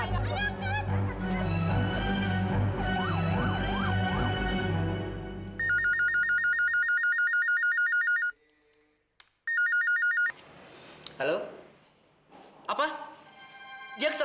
ya udah kita bisa